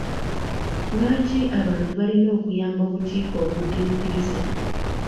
Lwaki abantu balina okuyamba obukiiko obudduukirize?